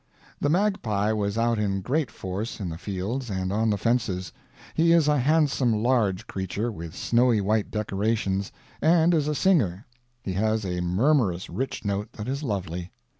The magpie was out in great force, in the fields and on the fences. He is a handsome large creature, with snowy white decorations, and is a singer; he has a murmurous rich note that is lovely.